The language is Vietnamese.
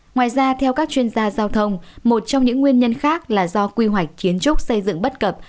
ngoài ra theo các chuyên gia giao thông một trong những nguyên nhân khác là do quy hoạch kiến trúc xây dựng bất cập